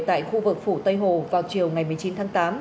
tại khu vực phủ tây hồ vào chiều ngày một mươi chín tháng tám